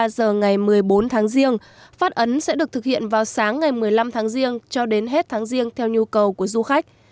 từ hai mươi ba h ngày một mươi bốn tháng riêng phát ấn sẽ được thực hiện vào sáng ngày một mươi năm tháng riêng cho đến hết tháng riêng theo nhu cầu của du khách